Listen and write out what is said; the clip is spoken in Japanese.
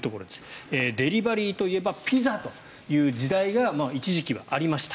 デリバリーといえばピザという時代が一時期はありました。